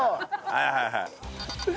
はいはいはい。